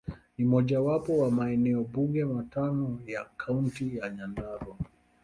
Ni mojawapo wa maeneo bunge matano katika Kaunti ya Nyandarua.